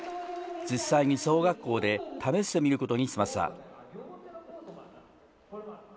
実際に小学校で試してみることにしました。